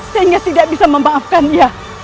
sehingga tidak bisa memaafkan dia